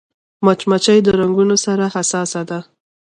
مچمچۍ د رنګونو سره حساسه ده